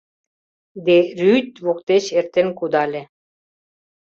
Де Рюйт воктеч эртен кудале.